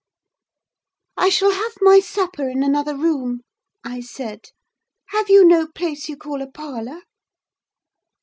"I shall have my supper in another room," I said. "Have you no place you call a parlour?"